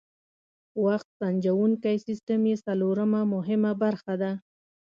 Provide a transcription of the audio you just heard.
وخت سنجوونکی سیسټم یې څلورمه مهمه برخه ده.